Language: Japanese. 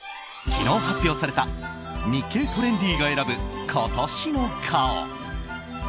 昨日発表された「日経トレンディ」が選ぶ今年の顔。